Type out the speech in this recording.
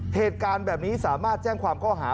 เหตุการณ์แบบนี้สามารถแจ้งความข้อหา